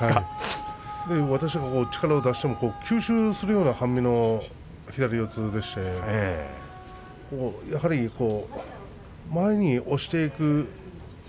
私が力を出しても吸収するような半身の左四つでして前に押していく宝